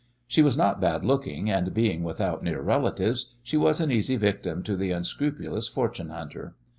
She was not bad looking, and being without near relatives she was an easy victim to the unscrupulous fortune hunter.